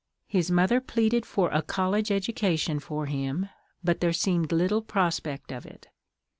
His mother pleaded for a college education for him, but there seemed little prospect of it.